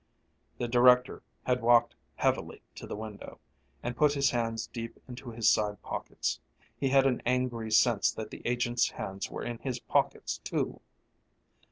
The director had walked heavily to the window and put his hands deep into his side pockets. He had an angry sense that the agent's hands were in his pockets too.